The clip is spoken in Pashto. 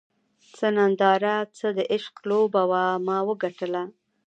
څه ننداره څه د عشق لوبه وه ما وګټله